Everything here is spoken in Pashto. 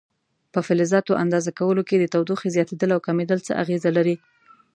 په فلزاتو اندازه کولو کې د تودوخې زیاتېدل او کمېدل څه اغېزه لري؟